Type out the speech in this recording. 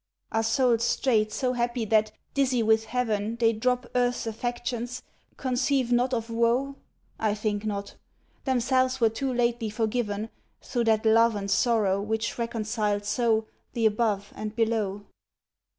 Are souls straight so happy that, dizzy with heaven, They drop earth's affections, conceive not of woe? I think not. Themselves were too lately forgiven Through that love and sorrow which reconciled so The above and below.